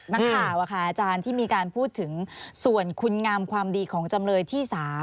นักข่าวอาจารย์ที่มีการพูดถึงส่วนคุณงามความดีของจำเลยที่๓